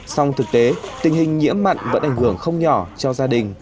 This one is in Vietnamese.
song thực tế tình hình nhiễm mặn vẫn ảnh hưởng không nhỏ cho gia đình